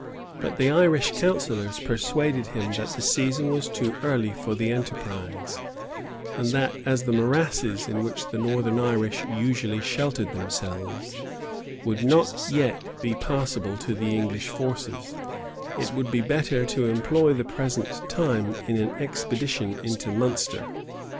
But the Irish counsellors persuaded him that the season was too early for the enterprise, and that as the morasses, in which the northern Irish usually sheltered themselves, would not as yet be passable to the English forces, it would be better to employ the present time in an expedition into Munster.